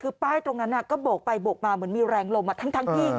คือป้ายตรงนั้นก็โบกไปโบกมาเหมือนมีแรงลมทั้งที่